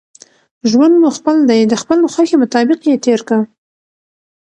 ژوند مو خپل دئ، د خپلي خوښي مطابق ئې تېر که!